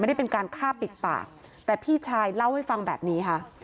ไม่ได้เป็นการฆ่าปิดปากแต่พี่ชายเล่าให้ฟังแบบนี้ค่ะ